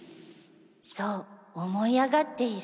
そう思い上がっている。